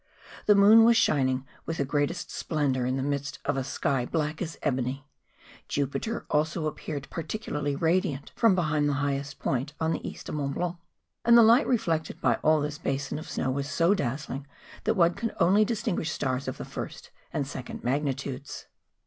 The moon was shining with the greatest splendour in the midst of a sky black as ebony. Jupiter also appeared par¬ ticularly radiant from behind the highest point on the east pi iNIont Blanc: and the light reflected by all this basin of snow was so dazzling that one could only distinguish stars of the first and second mag 6 MOUNTAIN ADVENTUEES.